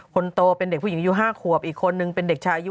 คนโตเป็นเด็กผู้หญิงอายุ๕ขวบอีกคนนึงเป็นเด็กชายอายุ